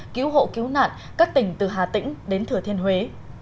cứu hộ cứu nạn các tỉnh từ hà tĩnh đến thừa thiên huế